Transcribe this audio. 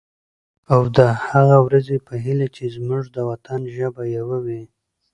او د هغه ورځې په هیله چې زمونږ د وطن ژبه یوه وي.